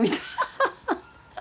ハハハハハ。